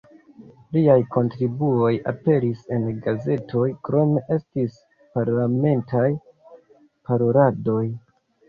Liaj kontribuoj aperis en gazetoj, krome estis parlamentaj paroladoj.